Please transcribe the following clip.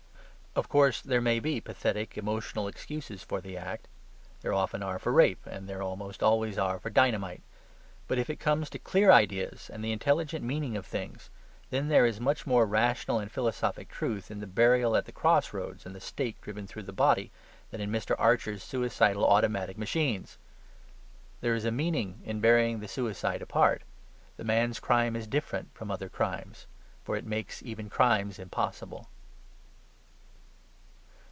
Of course there may be pathetic emotional excuses for the act. There often are for rape, and there almost always are for dynamite. But if it comes to clear ideas and the intelligent meaning of things, then there is much more rational and philosophic truth in the burial at the cross roads and the stake driven through the body, than in Mr. Archer's suicidal automatic machines. There is a meaning in burying the suicide apart. The man's crime is different from other crimes for it makes even crimes impossible.